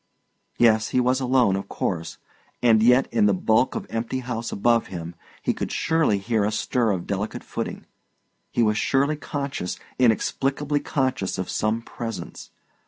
Yes, he was alone, of course; and yet, in the bulk of empty house above him, he could surely hear a stir of delicate footing; he was surely conscious, inexplicably conscious of some presence.